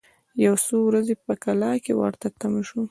یو څو ورځي په کلا کي ورته تم سو